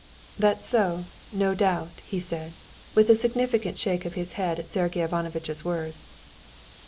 "That's so, no doubt," he said, with a significant shake of his head at Sergey Ivanovitch's words.